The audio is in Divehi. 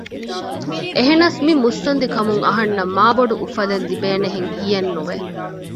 އެހެނަސް މި މުއްސަނދިކަމުން އަހަންނަށް މާ ބޮޑު އުފަލެއް ލިބޭހެނެއް ހިޔެއް ނުވެ